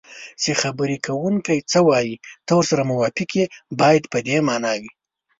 چې خبرې کوونکی څه وایي ته ورسره موافق یې باید په دې مانا وي